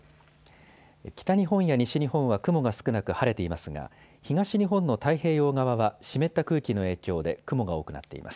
北日本や西日本は雲が少なく晴れていますが東日本の太平洋側は湿った空気の影響で雲が多くなっています。